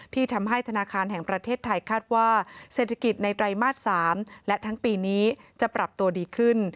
ที่ทำให้ธนาคารแห่งประเทศไทยคาดว่าเศรษฐกิจในไตรมาส๓และทั้งปีนี้จะปรับตัวดีขึ้น